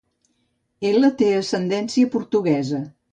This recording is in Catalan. Ela té ascendència portuguesa.